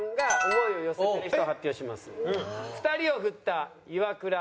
２人をフッたイワクラ